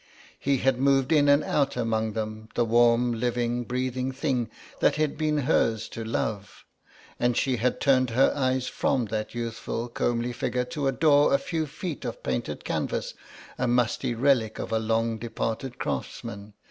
He had moved in and out among them, the warm, living, breathing thing that had been hers to love, and she had turned her eyes from that youthful comely figure to adore a few feet of painted canvas, a musty relic of a long departed craftsman.